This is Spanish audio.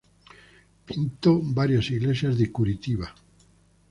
Pintó varias iglesias de Curitiba.